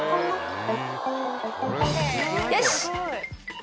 よし。